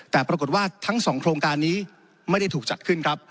แต่ปรากฏว่าทั้งสองโครงการนี้ไม่ได้ถูกจัดขึ้นครับ